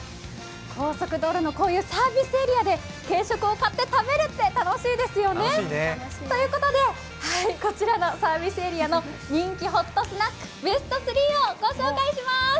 高速道路のサービスエリアで軽食を買って食べるって楽しいですよね。ということで、こちらのサービスエリアの人気ホットスナックベスト３をご紹介いたします。